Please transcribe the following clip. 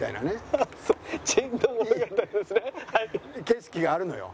景色があるのよ。